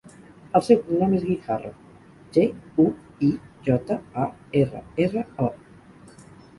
El seu cognom és Guijarro: ge, u, i, jota, a, erra, erra, o.